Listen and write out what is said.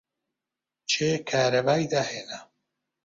کێ کارەبای داهێنا؟